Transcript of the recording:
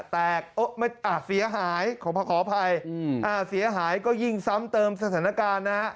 เสียหายขออภัยเสียหายก็ยิ่งซ้ำเติมสถานการณ์นะฮะ